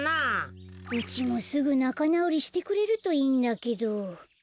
うちもすぐなかなおりしてくれるといいんだけど。